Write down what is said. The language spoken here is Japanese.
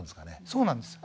そうなんです。